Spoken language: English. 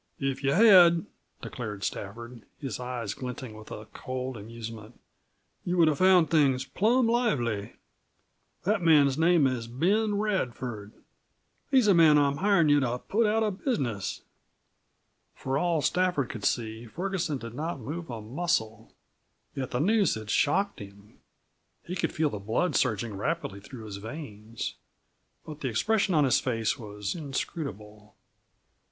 "If you had," declared Stafford, his eyes glinting with a cold amusement, "you would have found things plum lively. The man's name is Ben Radford. He's the man I'm hirin' you to put out of business!" For all Stafford could see Ferguson did not move a muscle. Yet the news had shocked him; he could feel the blood surging rapidly through his veins. But the expression of his face was inscrutable.